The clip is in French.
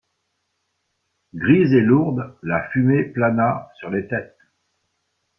Grise et lourde, la fumée plana sur les têtes.